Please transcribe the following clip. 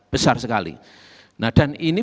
besar sekali nah dan ini